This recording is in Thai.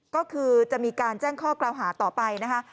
ก็คือจะมีการแจ้งข้อกล่าวหาต่อไปนะคะ